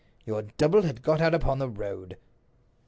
Your double had got out upon the road."